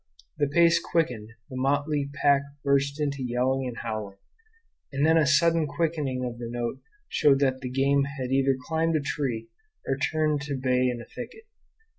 The pace quickened, the motley pack burst into yelling and howling; and then a sudden quickening of the note showed that the game had either climbed a tree or turned to bay in a thicket.